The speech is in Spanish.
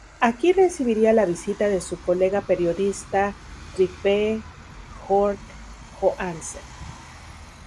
Aquí recibiría la visita de su colega periodista Trygve Hjorth-Johansen.